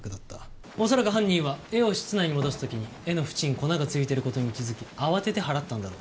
恐らく犯人は絵を室内に戻す時に絵の縁に粉が付いている事に気づき慌てて払ったんだろう。